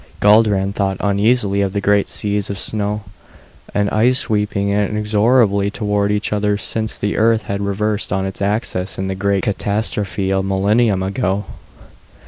Guldran thought uneasily of the great seas of snow and ice sweeping inexorably toward each other since the Earth had reversed on its axis in the great catastrophe a millennium ago.